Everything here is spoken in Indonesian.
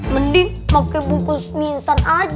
mending pake bungkus minsan aja